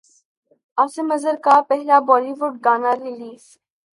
عاصم اظہر کا پہلا Bollywood گانا ریلیز